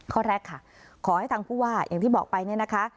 ข้อแรกค่ะขอให้ทางผู้ว่าอย่างที่บอกไปเนี่ยนะคะ